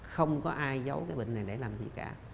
không có ai giấu cái bệnh này để làm gì cả